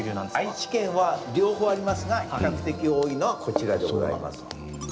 愛知県は両方ありますが比較的多いのはこちらでございます。